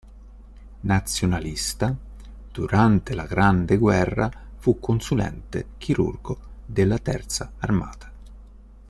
Nazionalista, durante la grande guerra fu consulente chirurgo della Terza Armata.